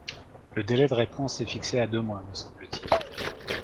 Le délai de réponse est fixé à deux mois, me semble-t-il.